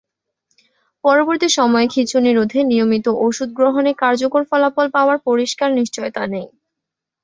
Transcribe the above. পরবর্তী সময়ে খিঁচুনি রোধে নিয়মিত ওষুধ গ্রহণে কার্যকর ফলাফল পাওয়ার পরিষ্কার নিশ্চয়তা নেই।